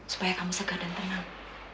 supaya kamu segar dan tenang